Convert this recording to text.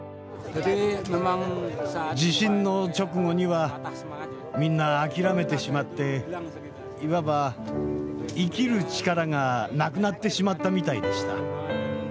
地震の直後にはみんな諦めてしまっていわば生きる力がなくなってしまったみたいでした。